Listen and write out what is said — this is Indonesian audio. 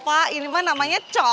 pak ini namanya cocrrkk